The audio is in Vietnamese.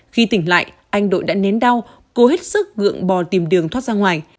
khi tỉnh lại anh đội đã nến đau cố hết sức gượng bò tìm đường thoát ra ngoài